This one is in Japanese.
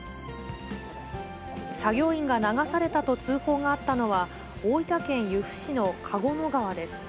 作業員が流されたと通報があったのは、大分県由布市のかごの川です。